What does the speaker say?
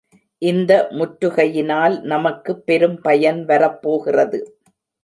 இந்த முற்றுகையினால் நமக்குப் பெரும் பயன் வரப் போகிறது.